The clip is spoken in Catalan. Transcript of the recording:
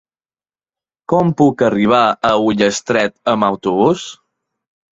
Com puc arribar a Ullastret amb autobús?